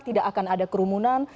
tidak akan ada kerumunan